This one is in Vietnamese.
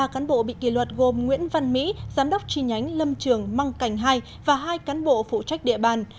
ba cán bộ bị kỷ luật gồm nguyễn văn mỹ giám đốc tri nhánh lâm trường măng cảnh hai và hai cán bộ phụ trách địa bàn